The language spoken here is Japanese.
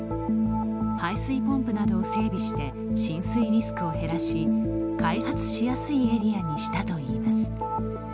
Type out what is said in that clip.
排水ポンプなどを整備して浸水リスクを減らし開発しやすいエリアにしたといいます。